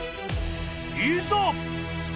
［いざ！］